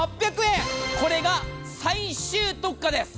これが最終特価です。